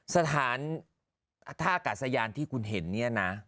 สถานท่ากาศยานที่คุณเห็นเนี่ยนะ